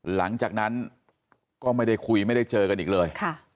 หลังจากนั้นก็ไม่ได้คุยไม่ได้เจอกันอีกเลย